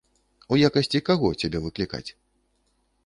У якасці каго цябе выклікаць?